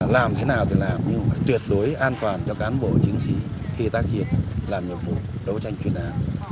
làm thế nào thì làm nhưng phải tuyệt đối an toàn cho cán bộ chính sĩ khi tác diện làm nhiệm vụ đấu tranh truy nã